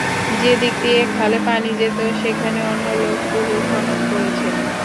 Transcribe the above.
যেদিক দিয়ে খালে পানি যেত, সেখানে অন্য লোক পুকুর খনন করেছেন।